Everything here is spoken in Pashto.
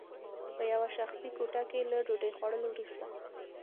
په یوه شخصي کوټه کې له ډوډۍ خوړلو وروسته